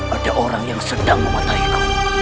ada orang yang sedang mematahkan